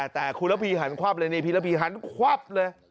แต่คุณระพีหันควับเลยนี่พีระพีหันควับเลย